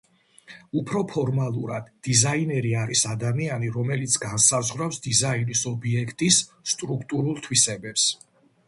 უფრო ფორმალურად, დიზაინერი არის ადამიანი, რომელიც „განსაზღვრავს დიზაინის ობიექტის სტრუქტურულ თვისებებს.